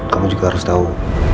kamu juga harus tau